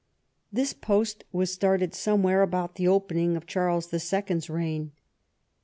This post was started somewhere about the opening of Charles the Second's reign.